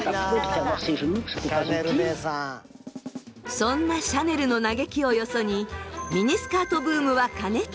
そんなシャネルの嘆きをよそにミニスカートブームは過熱。